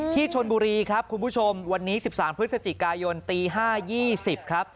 ที่ชนบุรีครับคุณผู้ชมวันนี้๑๓พฤศจิกายนตี๕๒๐ครับ